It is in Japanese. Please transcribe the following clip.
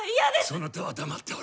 そなたは黙っておれ。